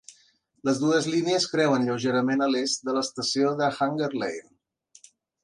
Les dues línies creuen lleugerament a l'est de l'estació de Hanger Lane.